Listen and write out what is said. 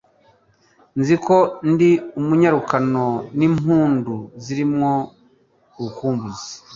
Nzi ko ndi umunyarukano N'impundu ziri mwo urukumbuzi,